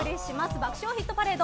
「爆笑ヒットパレード」。